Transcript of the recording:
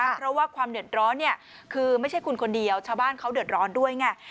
เพราะว่าความเดือดร้อนเนี่ยคือไม่ใช่คุณคนเดียวชาวบ้านเขาเดือดร้อนด้วยไง